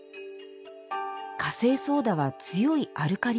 カセイソーダは強いアルカリ性。